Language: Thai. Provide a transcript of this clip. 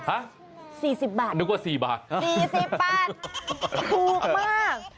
๔๐บาทนึกว่า๔บาท๔๐บาทถูกมาก